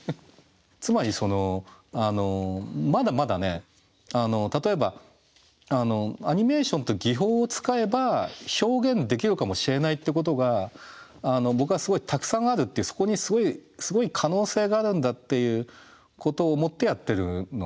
つまりそのまだまだね例えばアニメーションって技法を使えば表現できるかもしれないってことが僕はすごいたくさんあるってそこにすごい可能性があるんだっていうことを思ってやってるのね。